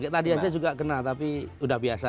tadi aja juga kena tapi sudah biasa